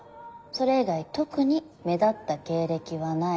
それ以外特に目立った経歴はない。